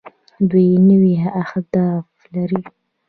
دوی نوي اهداف لري.